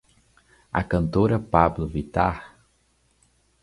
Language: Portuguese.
A cantora Pablo Vittar